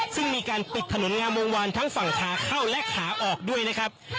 ซึ่งมีการปิดถนนงามวงวานทั้งฝั่งขาเข้าและขาออกด้วยนะครับ